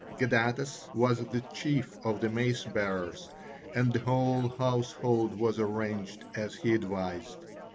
Gadatas was the chief of the mace bearers, and the whole household was arranged as he advised.